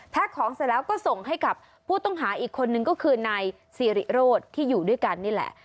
ของเสร็จแล้วก็ส่งให้กับผู้ต้องหาอีกคนนึงก็คือนายซีริโรธที่อยู่ด้วยกันนี่แหละ